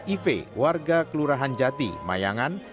iv warga kelurahan jati mayangan